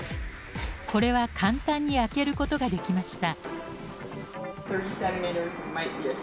これは簡単に開けることができました。